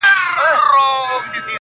دوی دواړه بحث کوي او يو بل ته ټوکي کوي